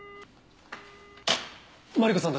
マリコさん